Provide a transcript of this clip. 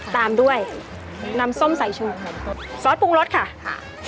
ตามด้วยน้ำส้มสายชูซอสปรุงรสค่ะค่ะ